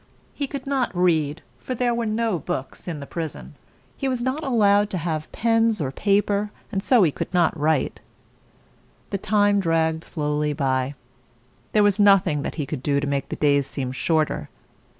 He could not read, for there were no books in the prison. He was not allowed to have pens or paper, and so he could not write. The time dragged slowly by. There was nothing that he could do to make the days seem shorter.